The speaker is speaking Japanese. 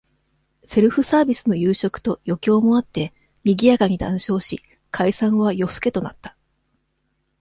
セルフサービスの夕食と、余興もあって、賑やかに談笑し、解散は、夜更けとなった。